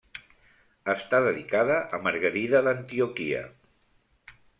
Està dedicada a Margarida d'Antioquia.